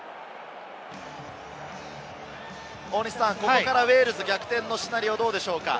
ここからウェールズ、逆転のシナリオはどうでしょうか？